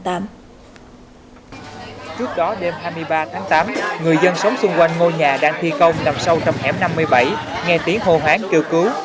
trước đó đêm hai mươi ba tháng tám người dân sống xung quanh ngôi nhà đang thi công nằm sâu trong hẻm năm mươi bảy nghe tiếng hồ hoáng kêu cứu